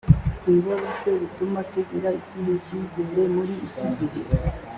ibibazo se bituma tugira ikihe cyizere muri iki gihe